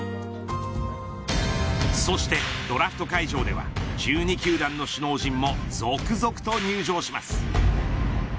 そしてドラフト会場では１２球団の首脳陣も続々と入場します。